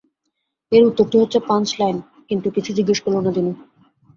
এর উত্তরটি হচ্ছে পাঞ্চ লাইন, কিন্তু কিচ্ছু জিজ্ঞেস করল না দিনু।